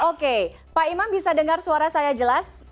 oke pak imam bisa dengar suara saya jelas